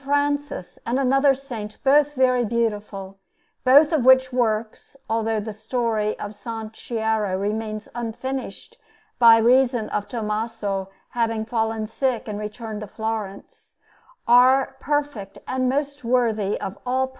Francis and another Saint, both very beautiful; both of which works, although the story of S. Chiara remained unfinished by reason of Tommaso having fallen sick and returned to Florence, are perfect and most worthy of all praise.